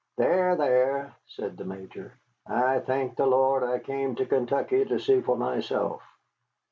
"There, there," said the Major, "I thank the Lord I came to Kentucky to see for myself.